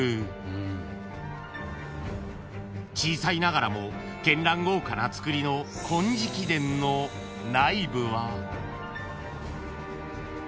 ［小さいながらも絢爛豪華なつくりの金色殿の内部は］